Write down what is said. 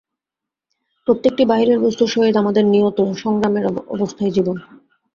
প্রত্যেকটি বাহিরের বস্তুর সহিত আমাদের নিয়ত সংগ্রামের অবস্থাই জীবন।